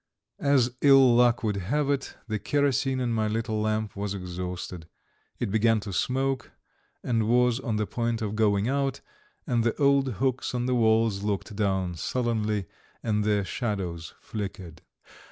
As ill luck would have it, the kerosene in my little lamp was exhausted; it began to smoke, and was on the point of going out, and the old hooks on the walls looked down sullenly, and their shadows flickered.